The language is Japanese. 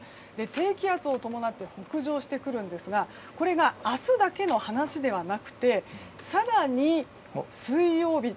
低気圧を伴って北上してくるんですがこれが明日だけの話ではなくて更に水曜日